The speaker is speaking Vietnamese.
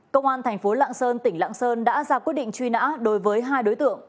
công an tp lạng sơn tỉnh lạng sơn đã ra quyết định truy nã đối với hai đối tượng